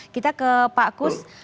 kita ke pak kus